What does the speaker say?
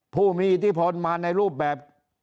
ผู้มีอิทธิพลมาในรูปแบบ